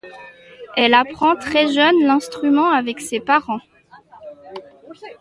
Elle apprend très jeune l'instrument avec ses parents.